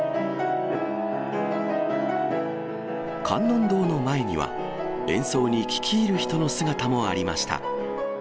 観音堂の前には、演奏に聴き入る人の姿もありました。